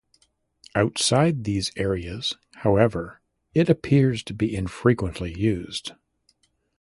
Outside these areas, however, it appears to be infrequently used.